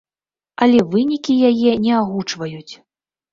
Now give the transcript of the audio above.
Але вынікі яе не агучваюць.